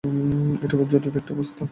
এটা খুব জরুরী একটা অবস্থা।